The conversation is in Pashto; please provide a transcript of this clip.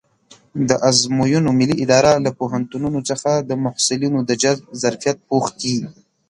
د ازموینو ملي اداره له پوهنتونونو څخه د محصلینو د جذب ظرفیت پوښتي.